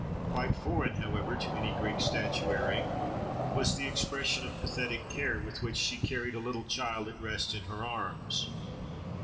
Quite foreign, however, to any Greek statuary was the expression of pathetic care, with which she carried a little child at rest in her arms.